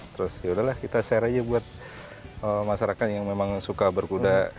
terus yaudahlah kita share aja buat masyarakat yang memang suka berkuda